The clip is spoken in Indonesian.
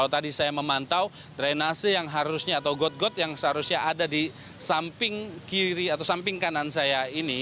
tadi saya memantau drainase yang harusnya atau got got yang seharusnya ada di samping kiri atau samping kanan saya ini